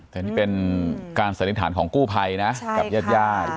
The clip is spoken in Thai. แต่นี่เป็นการสันนิษฐานของกู้ภัยนะกับญาติญาติ